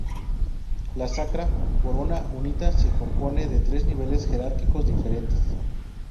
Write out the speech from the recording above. La Sacra corona unita se compone de tres niveles jerárquicos diferentes.